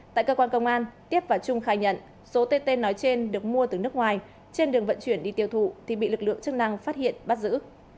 tại cơ quan công an tiếp và trung khai nhận số tê tê nói trên được mua từ nước ngoài trên đường vận chuyển đi tiêu thụ thì bị lực lượng chức năng phát hiện bắt giữ